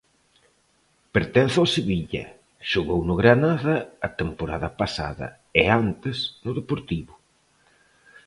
Pertence ao Sevilla, xogou no Granada a temporada pasada e antes no Deportivo.